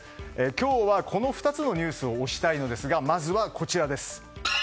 今日はこの２つのニュースを推したいのですがまずはこちらです。